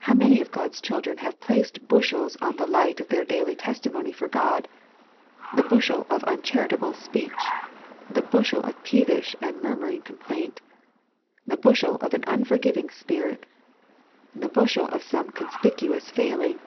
How many of God's children have placed bushels on the light of their daily testimony for Ood } The bushel of uncharitable speech ! The bushel of peevish and murmuring complaint ! The bushel of an unforgiving spirit ! The bushel of some conspicuous failing